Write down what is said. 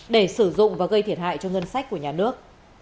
để sử dụng và gây thiệt hại cho ngân sách của nhà nước